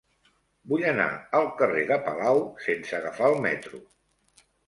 Vull anar al carrer de Palau sense agafar el metro.